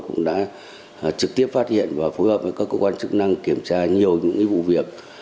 cũng đã trực tiếp phát hiện và phối hợp với các cơ quan chức năng kiểm tra nhiều những vụ việc